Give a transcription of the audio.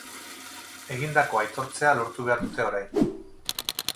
Egindakoa aitortzea lortu behar dute orain.